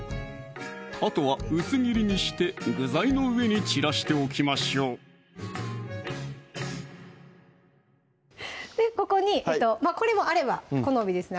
あとは薄切りにして具材の上に散らしておきましょうでここにこれもあれば好みですね